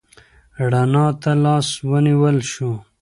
رڼا ته لاس ونیول شو.